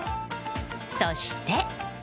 そして。